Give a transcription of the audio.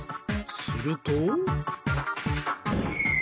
すると。